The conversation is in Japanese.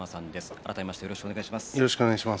改めましてよろしくお願いします。